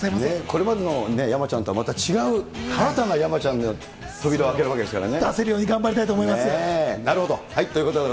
これまでの山ちゃんとはまた違う新たな山ちゃんの扉を開けるわけですからね。